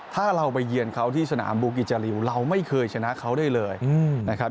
ถ้าเราไปเยือนเขาที่สนามบูกิจจาริวเราไม่เคยชนะเขาได้เลยนะครับ